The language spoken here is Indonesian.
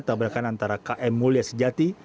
tabrakan antara km mulia sejati